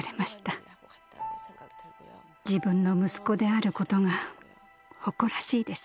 自分の息子であることが誇らしいです。